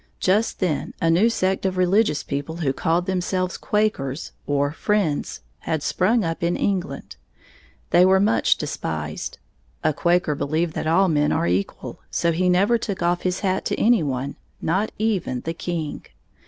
Just then a new sect of religious people who called themselves Quakers, or Friends, had sprung up in England. They were much despised. A Quaker believed that all men are equal, so he never took his hat off to any one, not even the king.